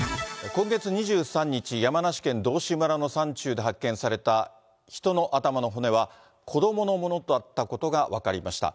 今月２３日、山梨県道志村の山中で発見された人の頭の骨は、子どものものだったことが分かりました。